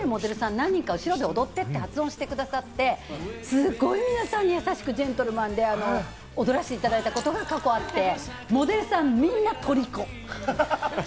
何人かで、後ろで踊ってって言ってくださって、すごい皆さんに優しくジェントルマンで踊らせていただいたことが過去あって、モデルさん、みんなトリコ。